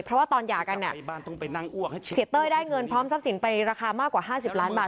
เพราะว่าตอนหย่ากันเนี่ยเสียเต้ยได้เงินพร้อมทรัพย์สินไปราคามากกว่า๕๐ล้านบาท